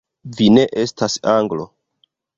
Vi ne estas Anglo!